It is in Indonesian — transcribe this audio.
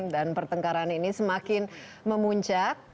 dan pertengkaran ini semakin memuncak